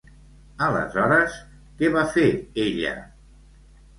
Aleshores, què va fer ella?